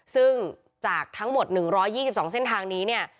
ซึ่งจากทั้งหมด๑๒๒เส้นทางนี้เนี่ย